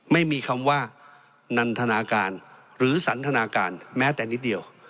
ไม่มีคำว่านันทนาการหรือสันทนาการแม้แต่นิดเดียว